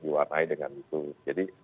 diwarnai dengan itu jadi